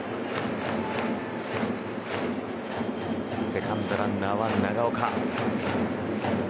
セカンドランナーは長岡。